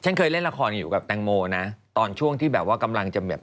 เคยเล่นละครอยู่กับแตงโมนะตอนช่วงที่แบบว่ากำลังจะแบบ